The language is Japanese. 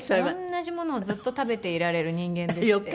同じものをずっと食べていられる人間でして。